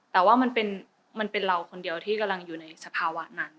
แต่ว่ามันเป็นเราคนเดียวที่กำลังอยู่ในสภาวะนั้น